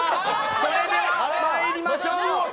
それでは参りましょう。